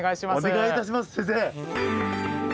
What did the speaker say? お願いいたします先生。